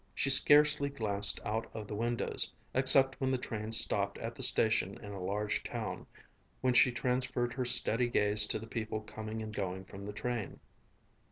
She scarcely glanced out of the windows, except when the train stopped at the station in a large town, when she transferred her steady gaze to the people coming and going from the train.